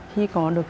khi có được